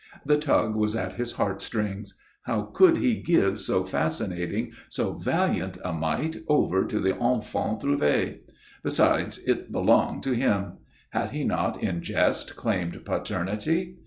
The tug was at his heart strings. How could he give so fascinating, so valiant a mite over to the Enfants Trouvés? Besides, it belonged to him. Had he not in jest claimed paternity?